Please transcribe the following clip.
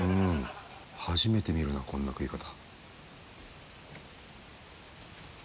初めて見るなこんな食い方。